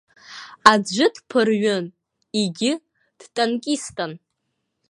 Аӡәы дԥырҩын, егьи дтанкистын.